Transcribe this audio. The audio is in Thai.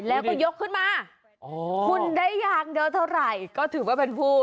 แล้วก็ยกขึ้นมาคุณได้ยางเยอะเท่าไหร่ก็ถือว่าเป็นผู้